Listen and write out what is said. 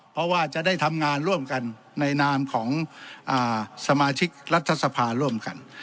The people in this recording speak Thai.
เพราะว่าจะได้ทำงานร่วมกันในนามของสมาชิกรัฐสภาร่วมกัน